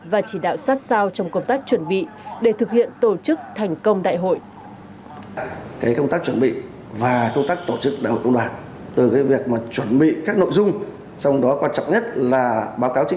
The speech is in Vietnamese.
và chỉ đạo sát sao trong công tác chuẩn bị để thực hiện tổ chức thành công đại hội